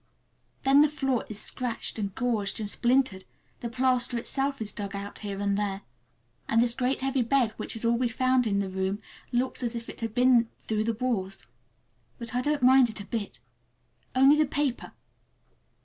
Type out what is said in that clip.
Then the floor is scratched and gouged and splintered, the plaster itself is dug out here and there, and this great heavy bed, which is all we found in the room, looks as if it had been through the wars. But I don't mind it a bit—only the paper.